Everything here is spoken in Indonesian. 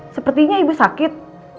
sepertinya ibu sakit